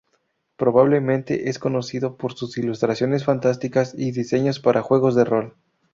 Probablemente es más conocido por sus ilustraciones fantásticas y diseños para juegos de rol.